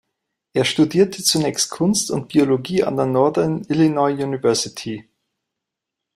Er studierte zunächst Kunst und Biologie an der Northern Illinois University.